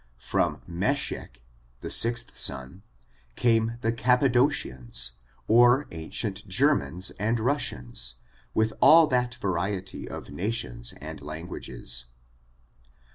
From Meshech, the sixth son, came the Capado* cians, or ancient Germans and Russians, with all that variety of nations and languages.